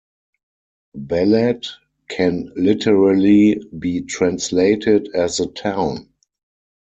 Balad can literally be translated as The Town.